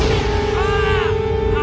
ああ！